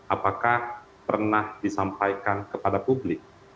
apakah pernah disampaikan kepada publik